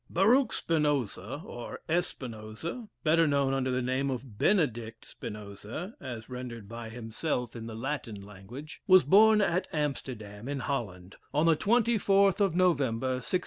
Baruch Spinoza, or Espinoza, better known under the name of Benedict Spinoza (as rendered by himself in the Latin language,) was born at Amsterdam, in Holland, on the 24th of November, 1632.